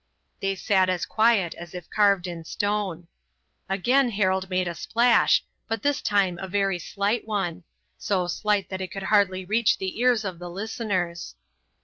They sat as quiet as if carved in stone. Again Harold made a splash, but this time a very slight one, so slight that it could hardly reach the ears of the listeners.